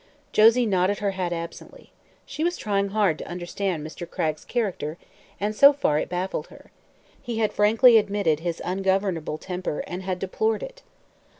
Josie nodded her head absently. She was trying hard to understand Mr. Cragg's character, and so far it baffled her. He had frankly admitted his ungovernable temper and had deplored it.